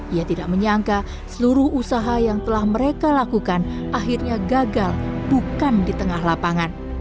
ia tidak menyangka seluruh usaha yang telah mereka lakukan akhirnya gagal bukan di tengah lapangan